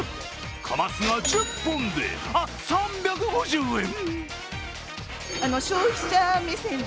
カマスが１０本で３５０円。